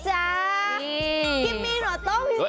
พี่ปีโต๊ะปีโต๊ะ